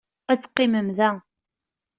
Ad teqqimem da.